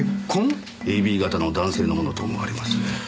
ＡＢ型の男性のものと思われます。